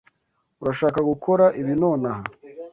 Urashaka gukora ibi nonaha?